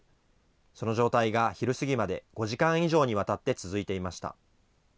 その状態が昼過ぎまで５時間以上にわたって続いていました。